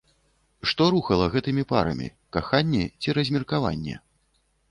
Што рухала гэтымі парамі, каханне ці размеркаванне?